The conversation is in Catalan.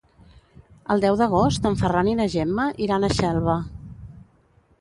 El deu d'agost en Ferran i na Gemma iran a Xelva.